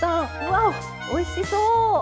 わっおいしそう！